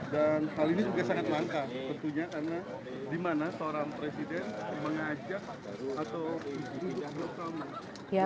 dan hal ini juga sangat manka tentunya karena di mana seorang presiden mengajak atau dihidupkan